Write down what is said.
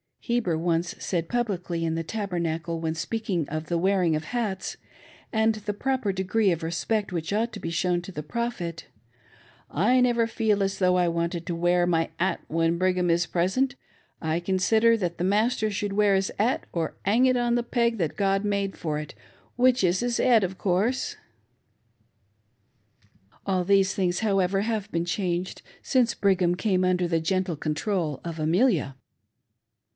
Heber once said publicly in the Tabernacle, when speaking of the wearing of hats, and the proper degree of I'espect which ought to be shown to the Prophet :" I never feel as though I wanted to wear my 'at when Brigham is pres ent. I consider that the master should wear his 'at, or 'ang it on the peg that God made for it, which is his 'ead, of course." All these thitigs, however, have been changed since Brigham came under the gentle control of Amelia.